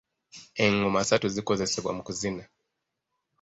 Engoma ssatu zikozesebwa mu kuzina .